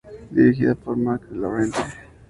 Dirigida por Marc Lawrence.